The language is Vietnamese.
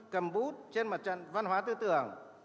cầm bút trên mặt trận văn hóa tư tưởng